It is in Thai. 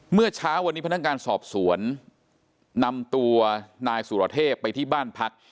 เมื่อเช้าวันนี้พนักงานสอบสวนนำตัวนายสุรเทพไปที่บ้านพัก